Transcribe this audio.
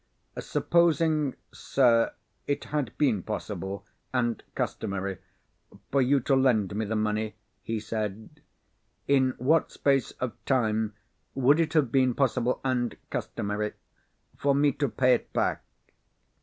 "Supposing, sir, it had been possible (and customary) for you to lend me the money," he said, "in what space of time would it have been possible (and customary) for me to pay it back?"